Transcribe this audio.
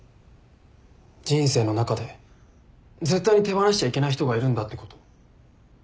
人生の中で絶対に手放しちゃいけない人がいるんだってこと。